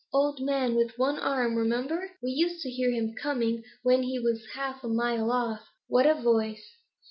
Old man with one arm, remember? We used to hear him coming when he was half a mile off; what a voice!